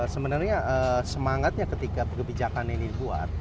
sebenarnya semangatnya ketika kebijakan ini dibuat